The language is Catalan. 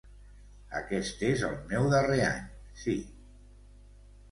Aquest és el meu darrer any, sí.